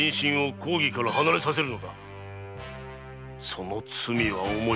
その罪は重いぞ。